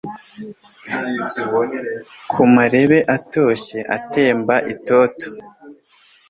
ku marebe atoshye atemba itoto